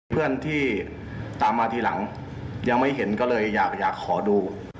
เพื่อนที่ตามมาทีหลังยังไม่เห็นก็เลยอยากขอดู